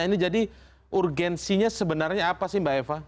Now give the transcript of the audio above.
ini jadi urgensinya sebenarnya apa sih mbak eva